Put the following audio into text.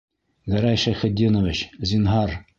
Гәрәй Шәйхетдинович, зинһар...